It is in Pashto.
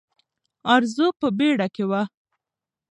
ارزو په بیړه کې وه.